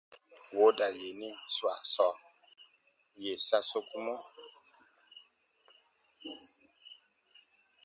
Wooda yenin swaa sɔɔ, yè sa sokumɔ: